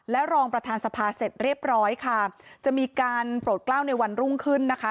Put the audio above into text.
และรองประธานสภาเสร็จเรียบร้อยค่ะจะมีการโปรดกล้าวในวันรุ่งขึ้นนะคะ